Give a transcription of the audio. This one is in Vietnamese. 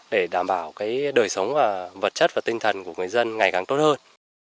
để đảm bảo đời sống và vật chất và tinh thần của người dân ngày càng tốt hơn